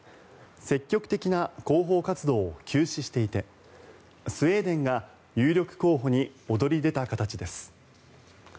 積極的な広報活動を休止していてスウェーデンが有力候補に躍り出た形です。